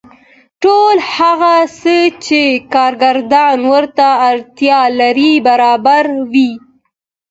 ټول هغه څه چې کارګران ورته اړتیا لري برابروي